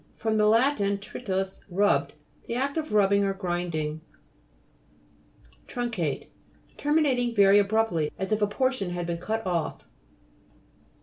28). TRITURA'TION fr. \&t.tritus, rubbed. The act of rubbing or grinding. TRUNCATE Terminating very ab ruptly, as if a portion had been cut off.